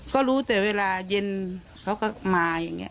ก็รู้แต่เวลาเย็นเขาก็มาอย่างนี้